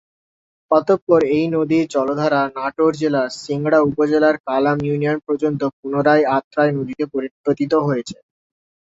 অতঃপর এই নদীর জলধারা নাটোর জেলার সিংড়া উপজেলার কালাম ইউনিয়ন পর্যন্ত পুনরায় আত্রাই নদীতে পতিত হয়েছে।